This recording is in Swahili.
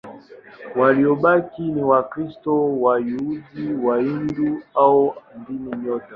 Waliobaki ni Wakristo, Wayahudi, Wahindu au hawana dini yote.